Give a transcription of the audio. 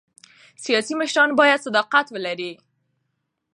سیاسي مشران باید صداقت ولري